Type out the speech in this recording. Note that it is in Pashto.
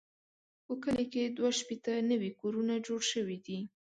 په کلي کې دوه شپېته نوي کورونه جوړ شوي دي.